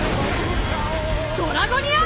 ドラゴニア！